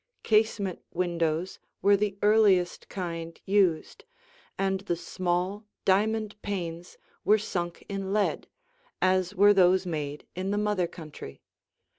Casement windows were the earliest kind used, and the small, diamond panes were sunk in lead, as were those made in the mother country.